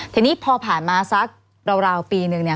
ทีนี้พอผ่านมาสักราวปีนึงเนี่ย